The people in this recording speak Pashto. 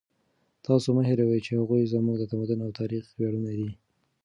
تاسو مه هېروئ چې هغوی زموږ د تمدن او تاریخ ویاړونه دي.